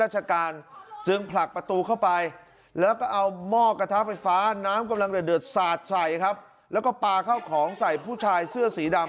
หยุดศาสตร์ใส่ครับแล้วก็ปลาเข้าของใส่ผู้ชายเสื้อสีดำ